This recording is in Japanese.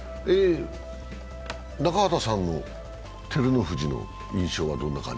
中畑さんの照ノ富士の印象はどんな感じ？